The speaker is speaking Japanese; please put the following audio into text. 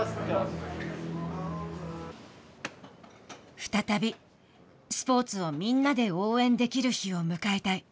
再びスポーツをみんなで応援できる日を迎えたい。